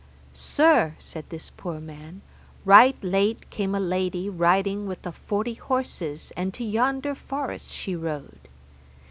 Sir, said this poor man, right late came a lady riding with a forty horses, and to yonder forest she rode.